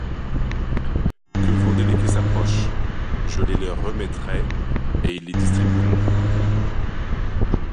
Que vos délégués s'approchent, je les leur remettrai, et ils les distribueront.